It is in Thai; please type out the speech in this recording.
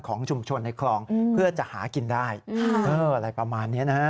ของชุมชนในคลองเพื่อจะหากินได้อะไรประมาณนี้นะฮะ